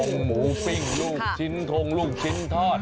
หมูของหมูปิ้งลูกชิ้นทรงลูกชิ้นทอด